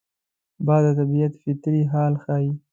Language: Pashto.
باد د طبیعت فطري حال ښيي